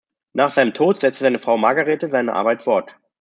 Nach seinem Tod setzte seine Frau Margarethe seine Arbeit fort.